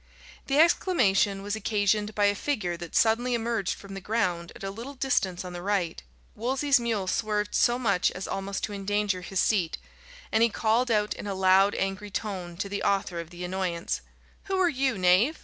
The exclamation was occasioned by a figure that suddenly emerged from the ground at a little distance on the right. Wolsey's mule swerved so much as almost to endanger his seat, and he called out in a loud angry tone to the author of the annoyance "Who are you, knave?